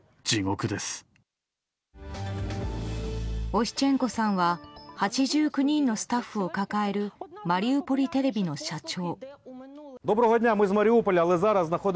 オシチェンコさんは８９人のスタッフを抱えるマリウポリテレビの社長。